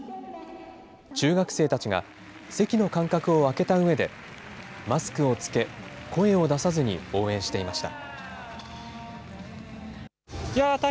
中学生たちが、席の間隔を空けたうえで、マスクを着け、声を出さずに応援していました。